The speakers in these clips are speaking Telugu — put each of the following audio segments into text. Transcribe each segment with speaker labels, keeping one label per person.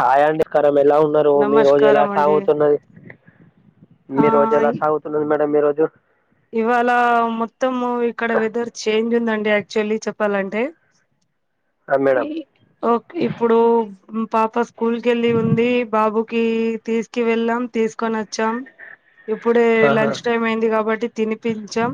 Speaker 1: హాయ్ అండి కరం ఎలా ఉన్నారు మీ రోజు ఎలా
Speaker 2: నమస్కారం అండి
Speaker 1: సాగుతున్నది
Speaker 2: ఆ
Speaker 1: మీ రోజు ఎలా సాగుతున్నది మేడం మీ రోజు
Speaker 2: ఇవాళ మొత్తము ఇక్కడ వెదర్ చేంజ్ ఉందండి యాక్చువల్లీ చెప్పాలంటే
Speaker 1: ఆ, మేడం
Speaker 2: ఓక్ ఇప్పుడు హ్మ్ పాప స్కూల్కెళ్లి ఉంది బాబుకి తీసుకి వెళ్ళాం తీసుకొనొచ్చాం ఇప్పుడే
Speaker 1: ఆహా
Speaker 2: లంచ్ టైం అయింది గాబట్టి తినిపించాం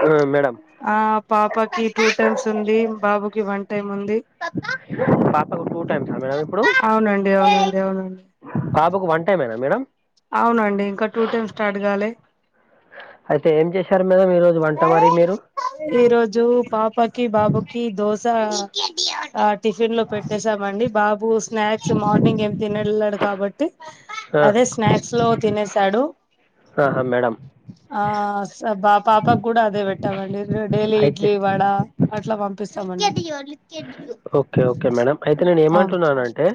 Speaker 1: ఆ, మేడం
Speaker 2: అ పాపకి టూ టైమ్స్ ఉంది బాబుకి వన్ టైమ్ ఉంది
Speaker 1: పాపకు టూ టైమ్స్ అ మేడం ఇప్పుడు
Speaker 2: అవునండి అవునండి అవునండి
Speaker 1: పాపకు వన్ టైమేనా మేడం
Speaker 2: అవునండి ఇంకా టూ టైమ్స్ స్టార్ట్ గాలే
Speaker 1: అయితే ఏం చేశారు మేడం ఈ రోజు వంట మరి మీరు
Speaker 2: ఈ రోజు పాపకి బాబుకి దోశ ఆట్ టిఫిన్ లో పెట్టేేశామండి బాబు స్నాక్స్ మార్నింగ్ ఏం తినెళ్ళాడు కాబట్ ట్టి
Speaker 1: ఆ,
Speaker 2: అదే స్నాక్స్ లో తినేసాడు
Speaker 1: ఆహా మేడం
Speaker 2: ఆ స బ పాపక్ గుడా అదే వెట్టామండి డైలీ
Speaker 1: అయితే
Speaker 2: ఇడ్లీ వడ అట్లా వంపిస్తాం అండి
Speaker 1: ఓకే ఓకే మేడం అయితే నేన్ ఏమంటున్నానంటే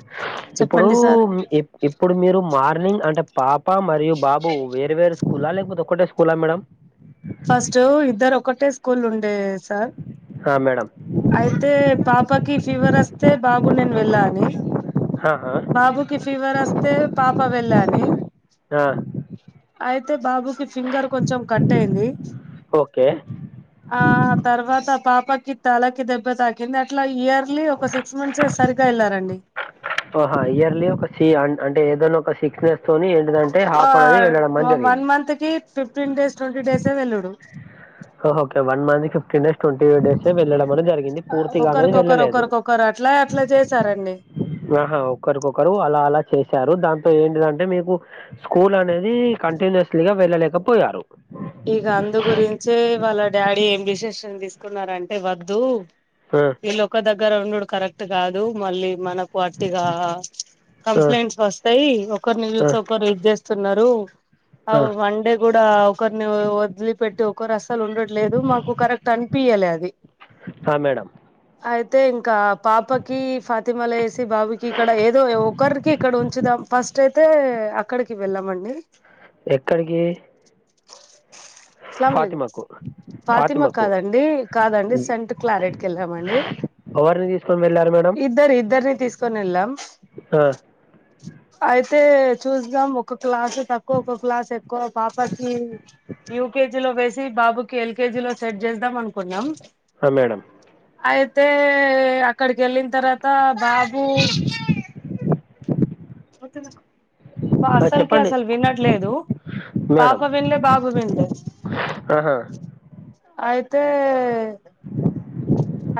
Speaker 2: చెప్పండి సార్
Speaker 1: ఇప్పుడూం ఇప్ ఇప్పుడు మీరు మార్నింగ్ అంటే పాప మరియు బాబు వేరువేరు స్కూలా లేకపోతే ఒక్కటే స్కూలా మేడం
Speaker 2: ఫస్టు ఇద్దర్ ఒకటే స్కూల్ ఉండే సార్
Speaker 1: ఆ, మేడం
Speaker 2: అయితే పాపకి ఫీవర్ అస్తే బాబు నేన్ వెళ్ళ అని
Speaker 1: హహా
Speaker 2: బాబుకి ఫీవర్ అస్తే పాప వెళ్ళ అని
Speaker 1: ఆ,
Speaker 2: అయితే బాబుకిి ఫింగర్ కొంచెం కట్ అయింది
Speaker 1: ఓకే
Speaker 2: అ తర్వాత పాపకి తలకి దెబ్బ తాకింది అట్ల ఇయర్లీ ఒక సి సిక్స్ మంత్సే సరిగా యేళ్ళారండి
Speaker 1: వహా ఇయర్లీ ఒక సి అన్ అంటే ఏదన్న ఒక సి స్నేస్టోనీ ఏంటిదంటే హాఫ్ అనేది వెళ్ళడం అన్ జరిగింది
Speaker 2: అంతకీ ఫిఫ్టీన్ డేస్ ట్వంటీ డేసే వెల్లుడు
Speaker 1: okay one month fifteen days twenty డేసే వెళ్ళడం అది జరిగింది పూర్తిగా అనేది వెళ్ళలేదు
Speaker 2: ఒకరు అట్ల అట్ల జేసారండి
Speaker 1: ఆహా ఒక్కరికొకరు అలా అలా చేశారు దాంతో ఏంటిదంటే మీకు స్కూల్ అనేది కంటిన్యూస్లీగా వెళ్ళలేకపోయారు
Speaker 2: ఇగ అందు గురించే వాళ్ళ డాడీ ఏం డెసిషన్ తీసుకున్నారంటే వద్దు
Speaker 1: అ
Speaker 2: వీళ్ళు ఒక దగ్గర ఉండుడు కరెక్ట్ కాదు మళ్ళీ మనకు అట్టిగా
Speaker 1: ఆ,
Speaker 2: కంప్లైంట్స్ వస్తాయ్ ఒకరిని
Speaker 1: ఆ,
Speaker 2: చూసి ఒకరు ఇది జేస్తున్నారు
Speaker 1: ఆ.
Speaker 2: వన్ డే కూడా ఒకరిని వదిలి పెట్టి ఒకరు అసలు ఉండట్లేదు మాకు కరెక్ట్ అనిపీయలే అది
Speaker 1: ఆ, మేడం
Speaker 2: అయితే ఇంకా పాపకి ఫాతిమలో వేసి బాబుకి ఇక్కడ ఏ ఏదో ఒకరికి ఇక్కడ ఉంచుదాం ఫస్ట్ అయితే అక్కడికి వెళ్ళామండి
Speaker 1: ఎక్కడికి
Speaker 2: సలామలేకుం
Speaker 1: ఫాతిమాకు
Speaker 2: ఫాతిమ
Speaker 1: ఫాతిమాకు
Speaker 2: కాదండి కాదండి సెంట్ క్లారెట్కి వెళ్ళామండి
Speaker 1: ఎవరిని తీసుకొని వెళ్ళారు మేడం
Speaker 2: ఇద్దరు ఇద్దరిని తీసుకొని వెళ్ళాం
Speaker 1: ఆ
Speaker 2: అయితే చూద్దాం ఒక క్లాసు తక్కువ ఒక క్లాస్ ఎక్కువ పాప హ యూకేజీలో వేసి బాబు ఎల్కేజిలో సెట్ జేద్దాం అనుకున్నా
Speaker 1: అ మేడం
Speaker 2: అయితే అక్కడికి వెళ్ళిన తరువాత బాబు
Speaker 1: ఆ
Speaker 2: అసలుకి
Speaker 1: చెప్పండి
Speaker 2: అసలు వినట్లేదు పాప
Speaker 1: మేడం
Speaker 2: విన్లే బాబు విన్లే
Speaker 1: ఆహా,
Speaker 2: అయితే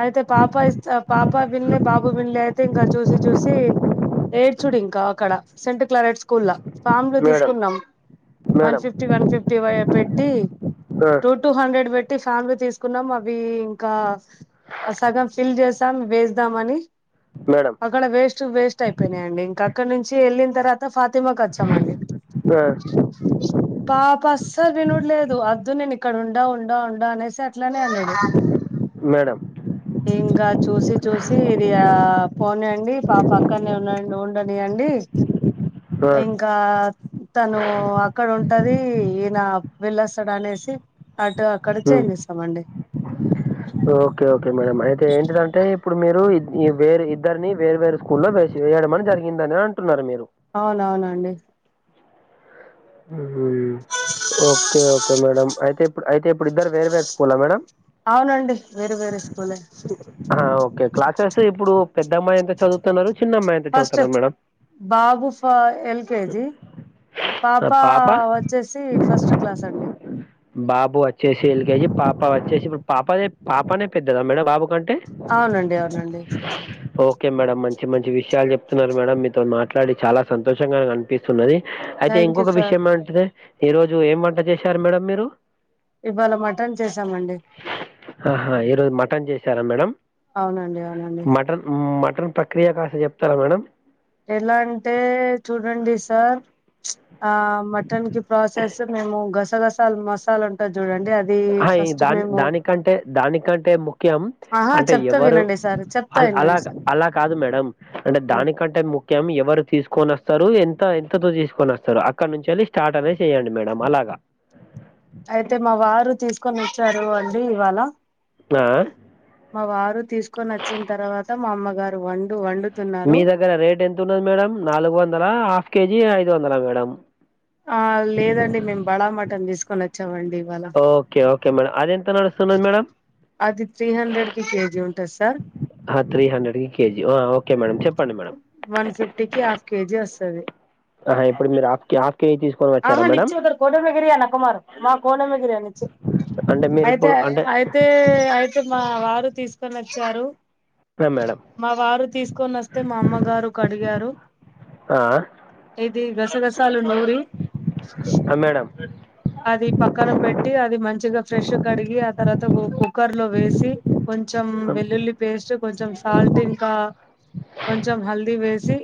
Speaker 2: అయితే పాప ఇస్త పాప వినలే బాబు వినలే అయితే ఇంకా చూసి చూసి ఏడ్చుడు ఇంకా అక్కడ సెంట్ క్లారెట్ స్కూల్ల ఫార్మ్ లు
Speaker 1: మేడం
Speaker 2: తీసుకున్నాం one
Speaker 1: madam
Speaker 2: fifty one fifty పెట్టి
Speaker 1: ఆ,
Speaker 2: టూ టూ హండ్రెడ్ పెట్టి ఫార్మ్లు తీసుకున్నాం అవి ఇంకా ఆ సగం ఫిల్ చేస్ తాం వేస్దాం అని
Speaker 1: మేడం
Speaker 2: అక్కడ వేస్ట్ వేస్ట్ అయిపోయినాయండి ఇంక అక్కడ నుంచి వెళ్ళిన తర్వా ఫాతిమాకు వచ్చామండి
Speaker 1: ఆ,
Speaker 2: పాప అస్సలు వినుడులేదు వద్దు నేను ఇక్కడ ఉండా ఉండా ఉండా అనేసి అట్లనే అన్నాడు
Speaker 1: మేడం
Speaker 2: ఇంకా చూసి చూసి ఇది ఆ పోనియండి పాప అక్కనే ఉండ ఉండనియండి ఇంక్
Speaker 1: ఆ,
Speaker 2: ఇంకా తను అక్కడ ఉంటది ఈయన వెళ్లొస్తాడు అనేసి అటు అక్కడ
Speaker 1: ఉమ్,
Speaker 2: చేంజ్ చేశామండి
Speaker 1: ఓకే ఓకే మేడం అయితే ఏంటిదంటే ఇప్పుడు మీరు వే వేరు ఇద్దరిని వేర్వేరు స్కూల్లో వేసి వేయడమని జరిగిందన అంటున్నారు మీరు
Speaker 2: అవునవునండి
Speaker 1: మ్ ఓకే ఓకే మేడం అయితే ఇప్పుడు అయితే ఇప్పుడు ఇద్దరు వేరు వేరు స్కూల మేడం
Speaker 2: అవునండి వేరే వేరే స్కూలే
Speaker 1: అ ఓకే క్లాసెస్ ఇప్పుడు పెద్ద అమ్మాయి ఎంత చదువు తున్నారు చిన్నమ్మాయి ఎంత
Speaker 2: ఫస్ట్
Speaker 1: చదువుతున్నారు మేడం
Speaker 2: బాబు ఫ ఎల్కేజీ
Speaker 1: మ్మ్ పాప
Speaker 2: చ్చేసి ఫస్ట్ క్లాస్ అండి
Speaker 1: బాబు వచ్చేసి ఎల్ కేజి పాప వచ్చేసి ఇప్పుడు పాపదే పాపనే పెద్దదా మేడం బాబు కన్ టె
Speaker 2: అవునండి అవునండి
Speaker 1: ఓ కె మేడం మంచి మంచి విషయాలు చెప్తున్నారు మేడం మీతోని మాట్లాడి చాలా సంతోషంగా పిస్తున్నది అయితే
Speaker 2: థ్యాంక్ యూ
Speaker 1: ఇంకొక
Speaker 2: సార్
Speaker 1: విషయం అంటే ఈ రోజు ఏం వంట చేశారు మేడం మీరు
Speaker 2: ఇవాళ మటన్ చేసామండి
Speaker 1: ఆహా ఈరోజు మటన్ చేసారా మేడం
Speaker 2: అవునండి అవునండి
Speaker 1: హ్మ్ మటన్ ప్రక్రియ కాస్త చెప్తారా మేడం
Speaker 2: ఎలా అంటే చూడండి సార్ ఆ మటన్ కి ప్రాసెస్ మేము గసగసాలు మసాల త చూడండి అది
Speaker 1: అహా! ఈ
Speaker 2: ఫస్ట్
Speaker 1: దాని
Speaker 2: మేము
Speaker 1: దానికంటే దానికంటే ముఖ్యం
Speaker 2: ఆహా చెప్తా వినండి సరి చెప్ త ఇన్
Speaker 1: అలాగ అలా కాదు మేడం అంటే
Speaker 2: ఉమ్.
Speaker 1: దానికంటే ముఖ్యం ఎవరు తీసుకొనొస్తారు ఎంత ఎంతతో తీసుకోనోస్తారు అక్కడి నుంచెల్లి స్టార్ట్ అనేది చేయండి మేడం అలాగా
Speaker 2: అయితే మా వారు తీసుకొని వస్తారు అండి ఇవాళ
Speaker 1: ఆ
Speaker 2: మా వారు తీసుకొని వచ్చిన తర్వాత మా అమ్మగారు వండు వండు
Speaker 1: మీ దగ్గర రేట్ ఎంత ఉన్నది మేడం నాలుగు వందల హాఫ్ కేజీ ఐదు వందల మేడం
Speaker 2: ఆ లేదండి మేము బడ మటన్ తీసుకొని వచ్చామండి ఇవాళ
Speaker 1: ఓకే ఓకే మేడం అది ఎంత నడు
Speaker 2: అది త్రీ హండ్రెడ్ కి కేజీ ఉంటది సార్
Speaker 1: అ త్రీ హండ్రెడ్ కి కేజీ అ ఓకే మేడం చెప్పండి మ
Speaker 2: వన్ ఫిఫ్టీ కి హాఫ్ కేజీ వస్తాది
Speaker 1: ఆహా ఇప్పుడు మీరు ఆఫ్కి ఆఫ్ కేజి తీస్
Speaker 2: ఆహా నిచ్చి ఉదర్ కోనమ్ గిరి య నక్కో మరో వా కోనమ్ గిరే అ నిచే
Speaker 1: అంటే మీరు
Speaker 2: అయితే
Speaker 1: ఇప్పుడు
Speaker 2: అయి
Speaker 1: అంటే
Speaker 2: అయితే అయితే మా వారు తీసుకొనివచ్చారు
Speaker 1: ఆ, మేడం
Speaker 2: మా వారు తీసుకొనొస్తే మా అమ్మగారు కడిగారు
Speaker 1: ఆ
Speaker 2: ఇది గసగసాలు నూరి
Speaker 1: ఆ మేడం
Speaker 2: అది పక్కన పెట్టి అది మంచిగా ఫ్రెష్ కడిగి ఆ తర్వాత కు కుక్కర్ లో వేసి కొంచెం వెల్లుల్లి పేస్ట్ కొంచెం సాల్ట్ ఇంకా కొంచెం హల్దీ వేసి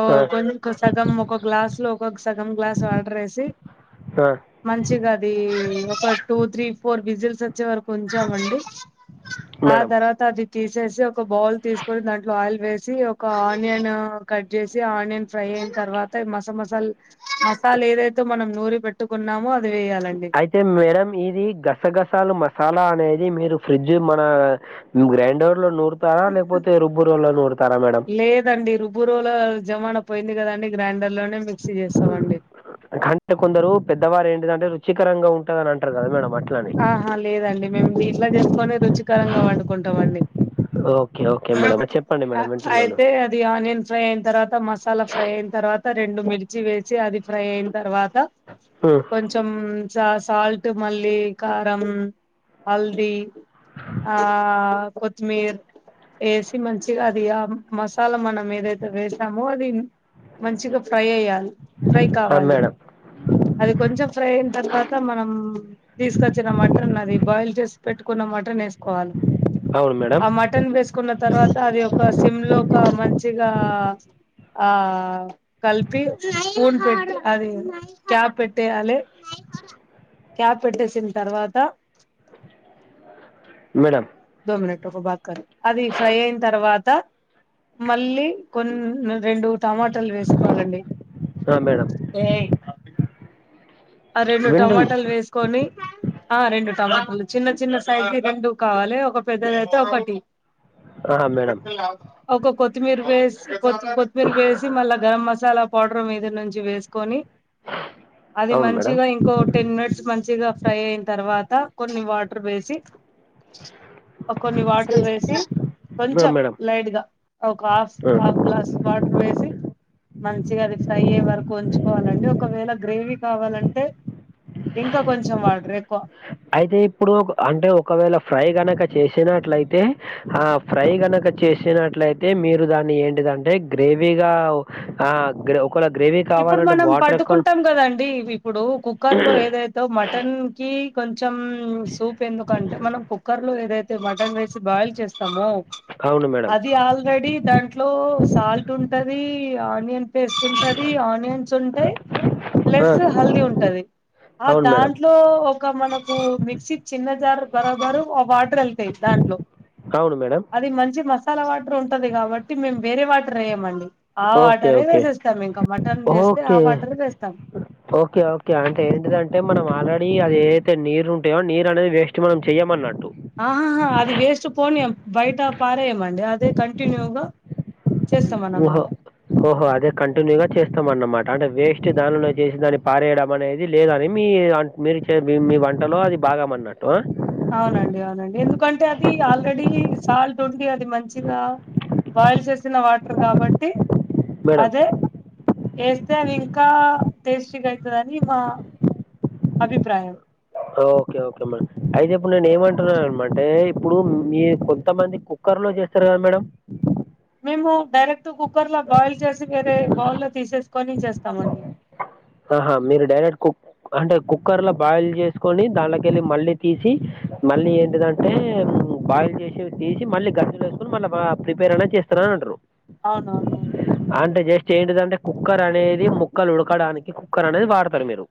Speaker 2: ఓ
Speaker 1: ఆ,
Speaker 2: కొనుకో సగం ఒక గ్లాసు లో ఒక్కొక్క సగం గ్లాస్ వాటర్ వేసి
Speaker 1: ఆ,
Speaker 2: మంచిగా అది ఒక టూ త్రీ ఫోర్ విజిల్స్ వచ్చే వరకు ఉంచామండి ఆ
Speaker 1: మేడం
Speaker 2: తర్వాత్ త అది తీసేసి ఒక బౌల్ తీసుకొని దాంట్లో ఆయిల్ వేసి ఒక ఆనియన్ కట్ చేసి ఆనియన్ ఫ్రై అయిన తర్వాత మస మసాలా సాల ఏదైతే మనం నూరి పెట్టుకున్నామో అది వేయాలండి
Speaker 1: అయితే మేడం ఇది గసగసాలు మసాలా అనేది మీరు ఫ్రిడ్జ్ మన నువ్ గ్రైండర్ లో నూరుతారా లేకపోతే, రుబ్బురోల్లో నూరుతారా మేడం.
Speaker 2: లేదండి రుబ్బురోల జమానా పోయింది కదండి, గ్రైండర్ లోనే మిక్సీ చేస్తామండి.
Speaker 1: ఘన్ అంటే కొందరు పెద్దవారు ఏంటిదంటే రుచికరంగా ఉంటదనంటారు కదా మేడం అట్ల్
Speaker 2: ఆహ లేదండి మేము దీంట్లా జేసుకొనే రుచికరంగా వండుకుంటామండి.
Speaker 1: ఓకే ఓకే మేడం చెప్పండి మేడం వింటున్నాను
Speaker 2: అయితే అది ఆనియన్ ఫ్రై అయిన తర్వాత, మసాలా ఫ్రై అయిన తర్వాత, రెండు మిర్చి వేసి అది ఫ్రై అయిన తర్వాత
Speaker 1: హ్మ్.
Speaker 2: కొంచెం చ సాల్ట్ మళ్ళీ కారం, హల్ది ఆ కొత్మీర్ ఏసి మంచిగా అది ఆ మసాలా మనం ఏదైతే వేసామో అది మంచిగా ఫ్రై ఎయ్యాల్ ఫ్రై
Speaker 1: ఆ
Speaker 2: కావాలి,
Speaker 1: మేడం
Speaker 2: అది కొంచెం ఫ్రై అయిన తర్వాత మనమ్ తీస్కొచ్చిన మటన్, అది బాయిల్ చేసి పెట్టుకున్న మటన్ వేసుకోవాలి.
Speaker 1: అవును మేడం
Speaker 2: ఆ మట్ టన్ వేసుకున్న తర్వాత అది ఒక సిమ్ లో ఒక మంచిగా ఆ కలిపి స్పూన్ పెట్టి అది క్యాప్ పెట్టేయాలె పెట్టేసిన్ తర్వాత
Speaker 1: మేడం
Speaker 2: దో మినిట్ రుకో బాత్కర్రి అది ఫ్రై అయిన తర్వాత మళ్ళీ కొన్ రెండు టమాటాలు వేస్కోవాలండి.
Speaker 1: ఆ మేడం
Speaker 2: ఏయ్ ఆ రెండు
Speaker 1: వింటున్నా
Speaker 2: టమాటాలు వేస్కొని ఆ రెండు టమాటాలు, చిన్న చిన్న సైజ్కి రెండు కావాలె ఒక పెద్దదైతే ఒకటి.
Speaker 1: ఆ మేడం
Speaker 2: ఒక కొత్తిమీర్ వేసి, కొత్తి కొత్తిమీర్ వేసి మళ్ళ గరం మసాలా పౌడర్ మీద నుంచి వేస్కొని, అది
Speaker 1: అవును
Speaker 2: మంచ్
Speaker 1: మేడం
Speaker 2: ఇంకో టెన్ మినిట్స్ మంచిగా ఫ్రై అయిన తర్వాత, కొన్ని వాటర్ వేసి ఒక్ కొన్ని వాటర్ వేసి
Speaker 1: ఆ
Speaker 2: కొంచెం
Speaker 1: మేడం
Speaker 2: లైట్ గా, ఒక హాఫ్
Speaker 1: ఆ.
Speaker 2: హాఫ్ గ్లాస్ వాటర్ వేసి మంచిగా అది ఫ్రై అయ్యే వరకు ఉంచుకోవాలండి, ఒకవేళ గ్రేవీ కావాలన్ తే ఇంకా కొంచెం వాటర్ ఎక్కువ
Speaker 1: అయితే ఇప్పుడు ఒక్ అంటే ఒకవేళ ఫ్రై గనక చేసినట్లయితే ఆ ఫ్రై గనక చేసినట్లయితే, మీరు దాన్ని ఏంటిదంటే గ్రేవీగా హా గ్రవ్ కూడా గ్రేవీ
Speaker 2: ఇప్పుడు
Speaker 1: కావాలంటే
Speaker 2: మనం
Speaker 1: వాటర్ ఎక్కువ
Speaker 2: పట్టుకుంటాం కదండి, ఇప్పుడు కుక్కర్ లో ఏదైత్ తో మటన్ కి కొంచెం సూప్ ఎందుకంటే మనం కుక్కర్ లో ఏదైత్ తే మటన్ వేసి బాయిల్ చేస్తామో
Speaker 1: అవును మేడం
Speaker 2: అది ఆల్రెడీ దాంట్లో సాల్ట్ ఉంటది, ఆనియన్ పేస్ట్ ఉంటది, ఆనియన్స్ ఉంటాయి
Speaker 1: ఆ,
Speaker 2: ప్లస్ హల్దీ ఉంటది. ఆ
Speaker 1: అవును మేడం
Speaker 2: దాంట్లో ఒక మనకు మిక్సీ చిన్న జార్ బరాబరు వాటర్ ఎళ్తాయి దాంట్లో.
Speaker 1: అవును మేడం
Speaker 2: అది మంచి మస్ సాల వాటర్ ఉంటది కాబట్టి, మేము వేరే వాటర్ వేయమండి ఆ
Speaker 1: ఓకే
Speaker 2: వాటరే
Speaker 1: ఓకే
Speaker 2: వేసేస్తాం ఇంక్
Speaker 1: ఓకే ఓకే ఓకే అంటే ఏంటిదంటే మనం ఆల్రెడీ అది ఏదైతే నీరు ఉంటాయో నీరు అనేది వేస్ట్ చ్ మనం చేయమన్నట్టు
Speaker 2: ఆహాహా అది వేస్ట్ పోనీయం బయట పారేయమండి అదే కంటిన్యూగా చేస్తాం
Speaker 1: ఓహో
Speaker 2: అన్నమాట
Speaker 1: ఓహో అదే కంటిన్యూగా చేస్తామన్నమాట అంటే వేస్ట్ దానిలో చేసి దాన్ని పారేయడం అనే అది లేదని మీ మీరు చే మీ మీ వంటలో అది బాగమన్నట్టు ఆ
Speaker 2: అవునండి అవునండి ఎందుకంటే అది ఆల్రెడీ సాల్ట్ ఉంది అది మంచిగా బాయిల్ చేసిన వాటర్ కాబట్టి
Speaker 1: మేడం
Speaker 2: అదే వేస్తే అవింకా టేస్టీగయితదని మా అభిప్రాయం
Speaker 1: ఓకే ఓకే మేడం అయితే ఇప్పుడు నేనేమంటున్నాననమంటే ఇప్పుడు మీ కొంతమందికు కుక్కర్ లో చేస్తారు కదా మేడం
Speaker 2: మేము డైరెక్ట్ కుక్కర్ లో బాయిల్ చేసి వేరే బౌల్ లో తీసేసుకొని చేస్తామండి.
Speaker 1: ఆహా మీరు డైరెక్ట్ కుక్ అంటే కుక్కర్ లో బాయిల్ చేసుకొని దాన్లోకెళ్ళి మళ్ళీ తీసి మళ్ళీ ఏంటిదం అంటే బాయిల్ చేసేదీ తీసి మళ్ళీ గరిసెలో వేసుకొని మళ్ళీ ప్రిపేరనేది చేస్తారని అంటున్నరు
Speaker 2: అవునవునవును
Speaker 1: అంటే జస్ట్ ఏంటిదంటే కుక్కర్ అనేది ముక్కలుడకడానికి కుక్కరనేది వాడతారు మీరు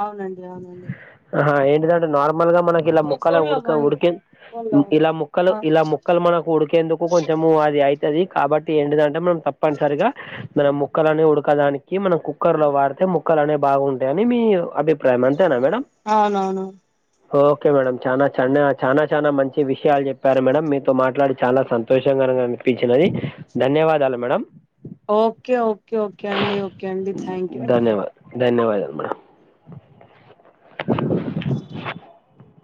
Speaker 2: అవునండి అవునండి
Speaker 1: ఆహా ఏంటిదంటే నార్మల్ గా మనకిలా
Speaker 2: ఓ
Speaker 1: ముక్కల
Speaker 2: ఫోన్ లో
Speaker 1: ఉడక
Speaker 2: మాహిర్
Speaker 1: ఉడికె
Speaker 2: ఫోన్ లో
Speaker 1: ఇలా ముక్కలు ఇలా ముక్కలు మనకు ఉడికేందుకు కొంచెం అది అయి తది కాబట్టి ఎంటిదంటే మనం తప్పనిసరిగా మనం ముక్కలని ఉడకడానికి మనం కుక్కర్ లో వార్ అంటే ముక్కలనేవీ బాగుంటాయని మీ అభిప్రాయం అంతేనా మేడం
Speaker 2: అవునవును
Speaker 1: ఓకే మేడం చానా చానా చానా చానా మంచి విషయాలు చెప్పారు మేడం మీతో మాట్లాడి చాలా సం షంగా అనిపించినది ధన్యవాదాలు మేడం
Speaker 2: ఓకే ఓకే ఓకే అండి ఓకే అండి థ్యాంక్ యూ అండి
Speaker 1: ధన్యవాదద్ ధన్యవాదాలు మేడం